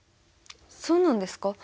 そうなんですか？